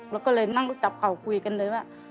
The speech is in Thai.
เราก็เลยนั่งรู้จักเขาคุยกันเลยว่า